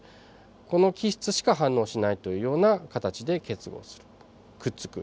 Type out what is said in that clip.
この基質しか反応しないというような形で結合するくっつく。